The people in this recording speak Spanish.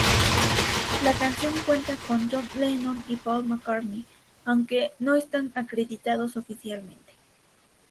La canción cuenta con John Lennon y Paul McCartney, aunque no están acreditados oficialmente.